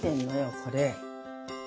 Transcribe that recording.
これ。